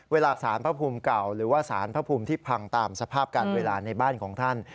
เวลาสารพระภูมิเก่าหรือว่าสารพระภูมิที่พังตามสภาพการเวลาในบ้านของท่าน